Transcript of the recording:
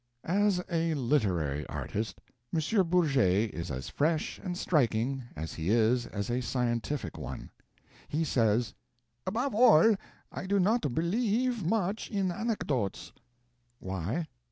As a literary artist, M. Bourget is as fresh and striking as he is as a scientific one. He says, "Above all, I do not believe much in anecdotes." Why?